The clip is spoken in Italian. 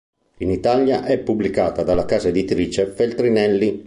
In Italia è pubblicata dalla casa editrice Feltrinelli.